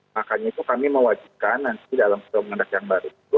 makanya itu kami mewajibkan nanti dalam program yang baru itu